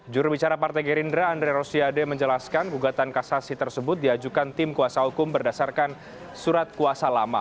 jurubicara partai gerindra andre rosiade menjelaskan gugatan kasasi tersebut diajukan tim kuasa hukum berdasarkan surat kuasa lama